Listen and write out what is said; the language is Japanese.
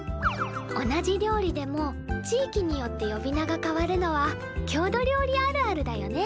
同じ料理でも地域によって呼び名が変わるのは郷土料理あるあるだよね。